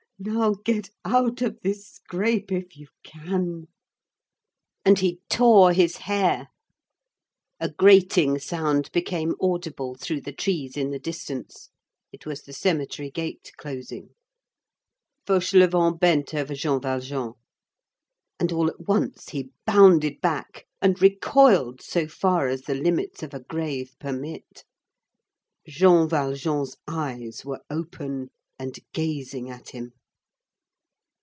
Now get out of this scrape if you can!" And he tore his hair. A grating sound became audible through the trees in the distance. It was the cemetery gate closing. Fauchelevent bent over Jean Valjean, and all at once he bounded back and recoiled so far as the limits of a grave permit. Jean Valjean's eyes were open and gazing at him.